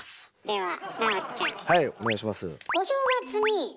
はいお願いします。